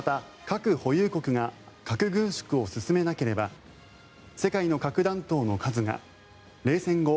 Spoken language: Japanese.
核保有国が核軍縮を進めなければ世界の核弾頭の数が冷戦後